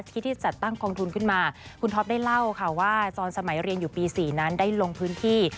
ที่ที่จัดตั้งกองทุนขึ้นมาคุณท็อปได้เล่าค่ะว่าตอนสมัยเรียนอยู่ปี๔นั้นได้ลงพื้นที่